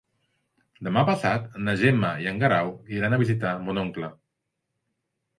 Demà passat na Gemma i en Guerau iran a visitar mon oncle.